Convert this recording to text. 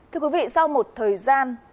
thưa quý vị sau một thời gian